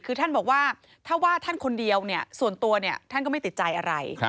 คือท่านบอกว่าถ้าว่าท่านคนเดียวส่วนตัวท่านก็ไม่ติดใจอะไร